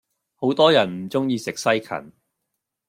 好多人唔鍾意食西芹